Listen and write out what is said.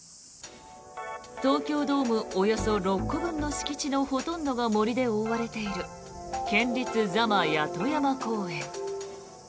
東京ドームおよそ６個分の敷地のほとんどが森で覆われている県立座間谷戸山公園。